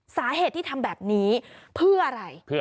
สาเหตุที่ทำแบบนี้เพื่ออะไร